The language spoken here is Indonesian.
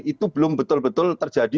itu belum betul betul terjadi